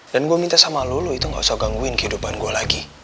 dan gue minta sama lo lo itu gak usah gangguin kehidupan gue lagi